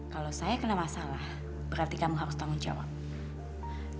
kalau saya kena masalah berarti kamu harus tanggung jawab